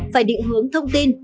phải định hướng thông tin